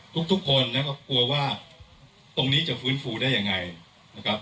ทุกคนนะครับกลัวว่าตรงนี้จะฟื้นฟูได้ยังไงนะครับ